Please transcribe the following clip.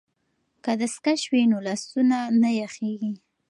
که دستکش وي نو لاسونه نه یخیږي.